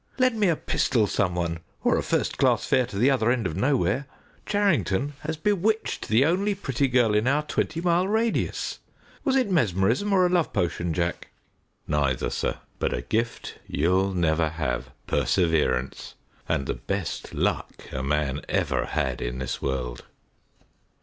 Lend me a pistol some one or a first class fare to the other end of Nowhere. Charrington has bewitched the only pretty girl in our twenty mile radius. Was it mesmerism, or a love potion, Jack?" "Neither, sir, but a gift you'll never have perseverance and the best luck a man ever had in this world."